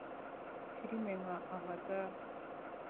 Filime nka Avatar